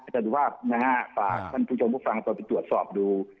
สวัสดีภาพนะฮะฝากท่านผู้ชมผู้ฟังตอนไปตรวจสอบดู